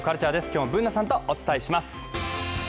今日もＢｏｏｎａさんとお伝えします。